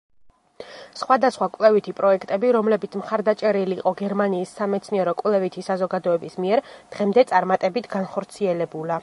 სხვადასხვა კვლევითი პროექტები, რომლებიც მხარდაჭერილი იყო გერმანიის სამეცნიერო-კვლევითი საზოგადოების მიერ დღემდე წარმატებით განხორციელებულა.